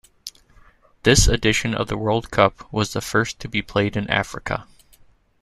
This edition of the World Cup was the first to be played in Africa.